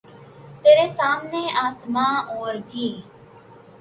ترے سامنے آسماں اور بھی